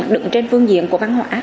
đựng trên phương diện của văn hóa